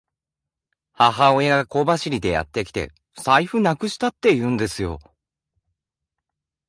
母親が小走りでやってきて、財布なくしたって言うんですよ。